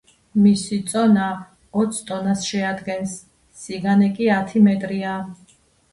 მისი წონა ოც ტონას შეადგენს, სიგანე კი ათი მეტრია.